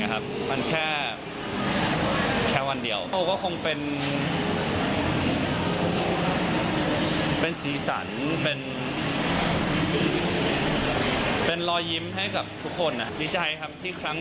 ฟิล์มบอกว่าเป็นคนที่เก่งแล้วก็เป็นคนที่น่ารักมาก